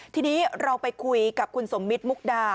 ทีนี้เราไปคุยกับคุณสมมิตรมุกดา